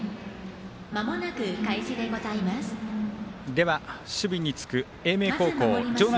では、守備につく英明高校場内